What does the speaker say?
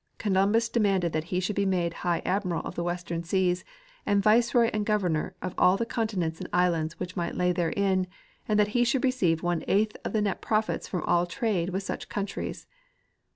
Columbus demanded that he should be made high admiral of the western seas and viceroy and governor of all the continents and islands which might lie therein, and that he should receive one eighth of the net profits from all trade with such countries.